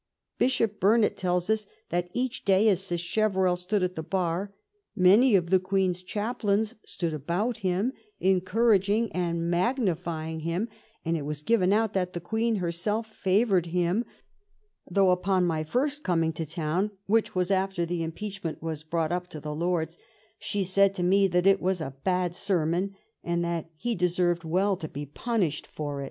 Bishop Burnet tells us that each day as Sacheverell stood at the bar "many of the Queen's chaplains stood about him, encouraging and magnifying him ; and it was given out that the Queen herself favored him; though, upon my first coming to town, which was after the impeachment was brought up to the Lords, she said to me that it was a bad ser mon, and that he deserved well to be punished for it.'